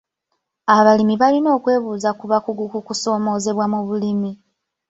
Abalimi balina okwebuuza ku bakugu ku kusoomoozebwa mu bulimi.